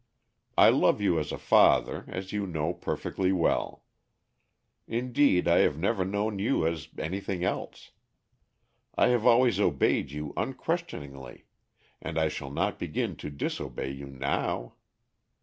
I love you as a father, as you know perfectly well. Indeed I have never known you as anything else. I have always obeyed you unquestioningly, and I shall not begin to disobey you now.